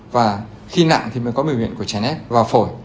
và khi nặng thì mới có biểu hiện của trẻ nét và phổi